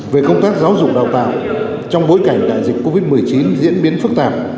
về công tác giáo dục đào tạo trong bối cảnh đại dịch covid một mươi chín diễn biến phức tạp